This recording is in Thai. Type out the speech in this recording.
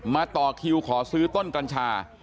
ต่อคิวขอซื้อต้นกัญชา